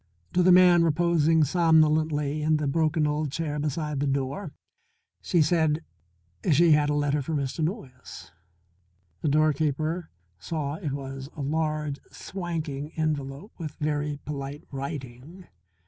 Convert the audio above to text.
To the man reposing somnolently in the broken old chair beside the door she said she had a letter for Mr. Noyes. The doorkeeper saw it was a large, swanking envelope with very polite writing.